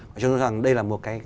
nói chung rằng đây là một cái